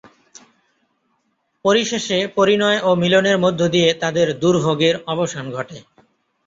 পরিশেষে পরিণয় ও মিলনের মধ্য দিয়ে তাঁদের দুর্ভোগের অবসান ঘটে।